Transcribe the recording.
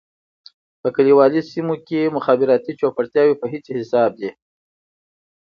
په کليوالي سېمو کې مخابراتي چوپړتياوې په هيڅ حساب دي.